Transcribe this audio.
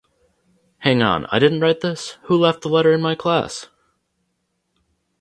Hang on, I didn't write this? Who left the letter in my class?